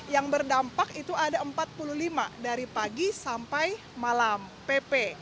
yang berdampak itu ada empat puluh lima dari pagi sampai malam pp